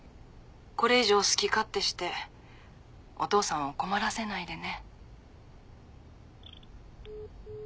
これ以上好き勝手してお父さんを困らせないでね。